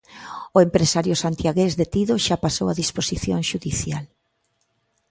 O empresario santiagués detido xa pasou a disposición xudicial.